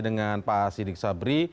dengan pak sidik sabri